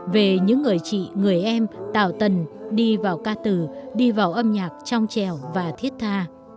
về những người chị người em tạo tần đi vào ca từ đi vào âm nhạc trong trèo và thiết tha